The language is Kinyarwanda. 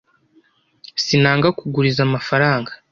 Sinanga kuguriza amafaranga